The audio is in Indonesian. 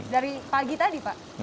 dari pagi tadi pak